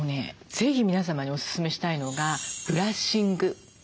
ぜひ皆様におすすめしたいのがブラッシング。